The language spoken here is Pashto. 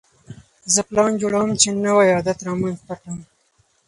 زه پلان جوړوم چې نوی عادت رامنځته کړم.